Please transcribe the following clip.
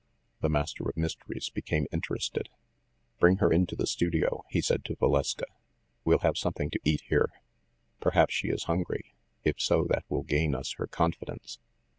The Master of Mysteries became interested. "Bring her into the studio," he said to Valeska. "We'll have something to eat here. Perhaps she is hungry. If so, that will gain us her confidence."